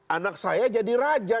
anak saya jadi raja